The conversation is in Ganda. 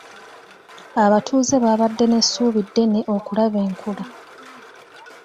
Abatuuze baabadde n'essuubi ddene okulaba enkula.